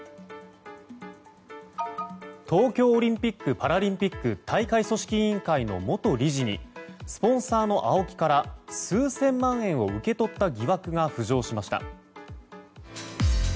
東京オリンピック・パラリンピック大会組織委員会の元理事にスポンサーのＡＯＫＩから数千万円を受け取った疑惑が浮上しました。